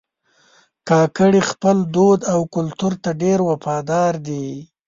کاکړي خپل دود او کلتور ته ډېر وفادار دي.